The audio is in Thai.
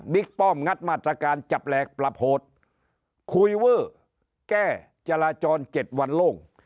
ป้อมงัดมาตรการจับแหลกปรับโหดคุยเวอร์แก้จราจร๗วันโล่ง